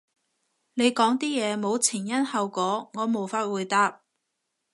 你講啲嘢冇前因後果，我無法回答